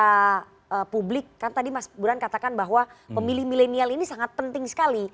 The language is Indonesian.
kepada publik kan tadi mas buran katakan bahwa pemilih milenial ini sangat penting sekali